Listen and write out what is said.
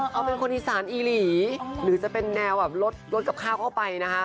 เขาเป็นคนอีสานอีหลีหรือจะเป็นแนวแบบลดกับข้าวเข้าไปนะคะ